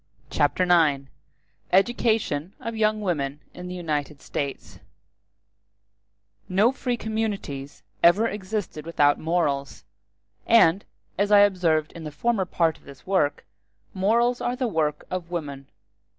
Chapter IX: Education Of Young Women In The United States No free communities ever existed without morals; and, as I observed in the former part of this work, morals are the work of woman.